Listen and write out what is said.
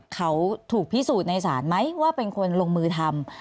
เขาถูกพิสูจน์ในศาลไหมว่าเป็นคนลงมือทำ